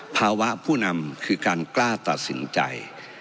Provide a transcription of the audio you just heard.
ผู้นำคือการกล้าตัดสินใจ